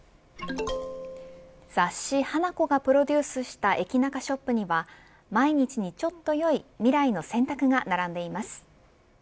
雑誌Ｈａｎａｋｏがプロデュースした駅ナカショップには毎日にちょっとよい未来の選択が並んでいます。